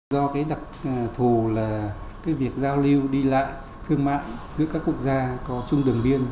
do cái đặc thù là cái việc giao lưu đi lại thương mại giữa các quốc gia có chung đường biên